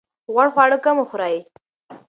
غوړ خواړه کم وخورئ.